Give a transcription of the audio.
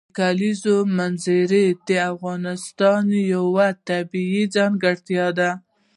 د کلیزو منظره د افغانستان یوه طبیعي ځانګړتیا ده.